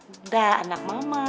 udah anak mama